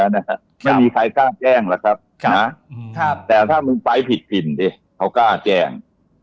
ไม่มีใครกล้าแจ้งหรอกครับนะแต่ถ้ามึงไปผิดผิดดิเขากล้าแจ้ง